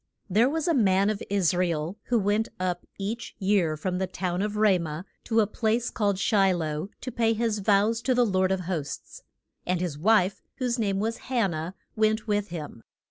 THERE was a man of Is ra el who went up each year from the town of Ra mah to a place called Shi loh to pay his vows to the Lord of hosts. And his wife, whose name was Han nah, went with him.